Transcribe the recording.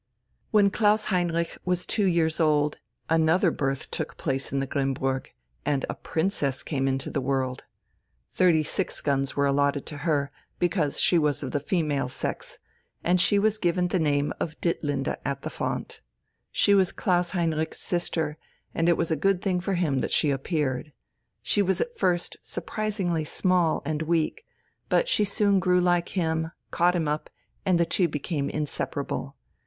When Klaus Heinrich was two years old, another birth took place in the Grimmburg, and a princess came into the world. Thirty six guns were allotted to her, because she was of the female sex, and she was given the name of Ditlinde at the font. She was Klaus Heinrich's sister, and it was a good thing for him that she appeared. She was at first surprisingly small and weak, but she soon grew like him, caught him up, and the two became inseparable.